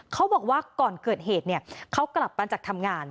เขาบอกว่าก่อนเกิดเหตุเขากลับมาจากทำงาน